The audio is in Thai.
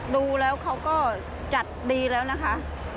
ดูแล้วเขาก็จัดดีแล้วนะคะ